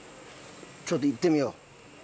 ちょっといってみよう。